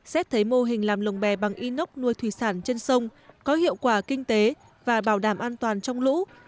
xét thấy mô hình làm lồng bè bằng inox nuôi thủy sản trên sông có hiệu quả kinh tế và bảo đảm an toàn trong lũ